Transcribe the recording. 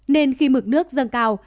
nên khi mực nước dâng cao